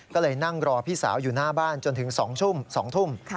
ก็เลยนั่งรอพี่สาวอยู่หน้าบ้านจนถึง๒ทุ่ม๒ทุ่ม